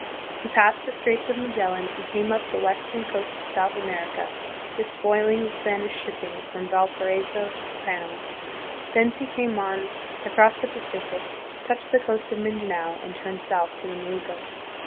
He passed the Straits of Magellan, and came up the western coast of South America, despoiling the Spanish shipping from Valparaiso to Panama. Thence he came on across the Pacific, touched the coast of Mindanao, and turned south to the Moluccas.